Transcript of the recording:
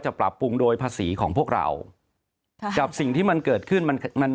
ปรับปรุงโดยภาษีของพวกเราค่ะกับสิ่งที่มันเกิดขึ้นมันมัน